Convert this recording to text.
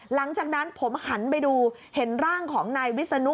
หลังจากนั้นผมหันไปดูเห็นร่างของนายวิศนุ